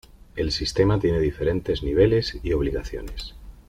El sistema tiene diferentes niveles y obligaciones.